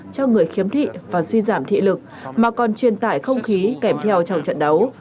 cho người khiếm thị và suy giảm thị lực mà còn truyền tải không khí kèm theo trong trận đấu